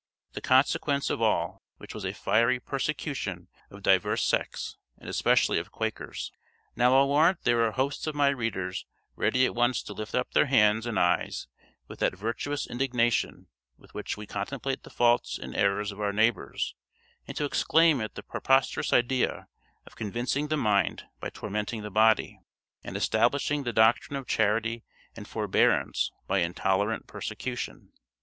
The consequence of all which was a fiery persecution of divers sects, and especially of Quakers. Now I'll warrant there are hosts of my readers ready at once to lift up their hands and eyes, with that virtuous indignation with which we contemplate the faults and errors of our neighbors, and to exclaim at the preposterous idea of convincing the mind by tormenting the body, and establishing the doctrine of charity and forbearance by intolerant persecution.